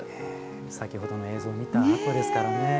先ほどの映像を見たあとですからね。